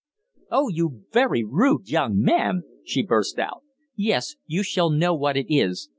"Oh, you very rude young man," she burst out. "Yes, you shall know what it is!